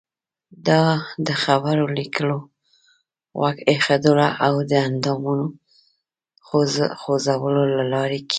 دا د خبرو، لیکلو، غوږ ایښودلو او د اندامونو خوځولو له لارې کیږي.